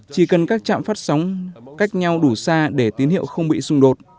chỉ cần các trạm phát sóng cách nhau đủ xa để tín hiệu không bị xung đột